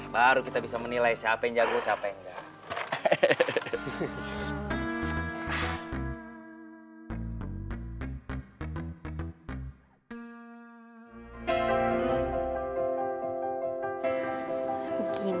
baru kita bisa menilai siapa yang jago siapa yang enggak